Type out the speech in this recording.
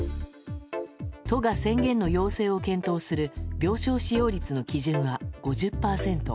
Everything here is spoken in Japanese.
都が宣言の要請を検討する病床使用率の基準は５０％。